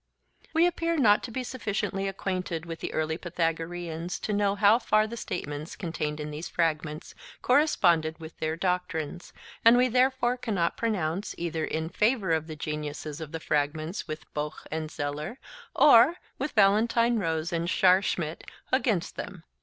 We appear not to be sufficiently acquainted with the early Pythagoreans to know how far the statements contained in these fragments corresponded with their doctrines; and we therefore cannot pronounce, either in favour of the genuineness of the fragments, with Bockh and Zeller, or, with Valentine Rose and Schaarschmidt, against them.